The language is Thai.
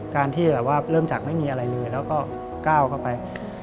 การที่เริ่มจากไม่มีอะไรเลยแล้วก็ก้าวก็ไป